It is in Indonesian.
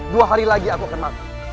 dua hari lagi aku akan mati